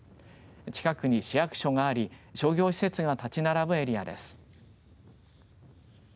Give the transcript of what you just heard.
近くに市役所があり商業施設が立ち並ぶエリアです。